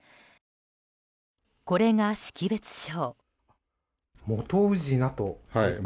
これが識別証。